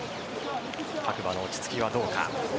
各馬の落ち着きはどうか。